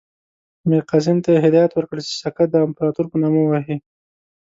میرقاسم ته یې هدایت ورکړ چې سکه د امپراطور په نامه ووهي.